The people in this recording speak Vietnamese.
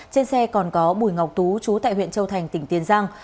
trên xe còn có bùi ngọc tú chú tại huyện châu thành tỉnh tiền giang